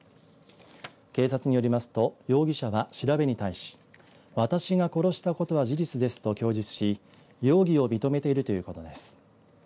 警察によりますと容疑者は調べに対し私が殺したことは事実ですと供述し容疑を認めているということです。